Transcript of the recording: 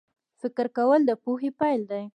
فکر کول د پوهې پیل دی